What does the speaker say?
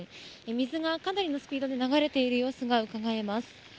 水がかなりのスピードで流れている様子がうかがえます。